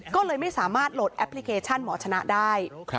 ก็เลยไม่สามารถโหลดแอปพลิเคชันหมอชนะได้